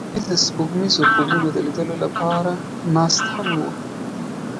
هغوی د سپوږمیز خوبونو د لیدلو لپاره ناست هم وو.